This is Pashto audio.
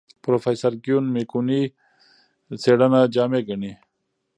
پروفیسر کیون میکونوی څېړنه جامع ګڼي.